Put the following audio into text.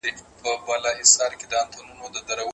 ايا په سياست کې د سياسي تيوريو له عملي اړخونو ګټه اخيستل کېږي؟